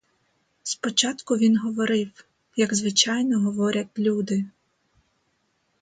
Спочатку він говорив, як звичайно говорять люди.